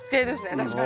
確かに。